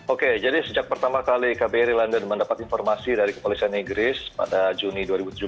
oke jadi sejak pertama kali kbri london mendapat informasi dari kepolisian inggris pada juni dua ribu tujuh belas